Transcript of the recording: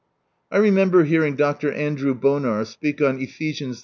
I remember hearing Dr. Andrew Bonar speak on Ephesiansiii.